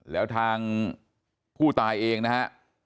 แล้วทางผู้ตายเองนะฮะ